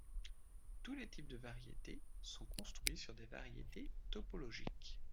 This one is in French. Tous les types de variétés sont construites sur des variétés topologiques.